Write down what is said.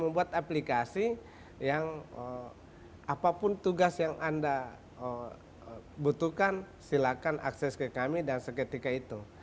membuat aplikasi yang apapun tugas yang anda butuhkan silakan akses ke kami dan seketika itu